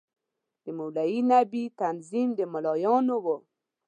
د مولوي نبي تنظیم د ملايانو وو.